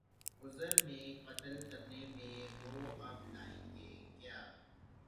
عذر میرے قتل کرنے میں وہ اب لائیں گے کیا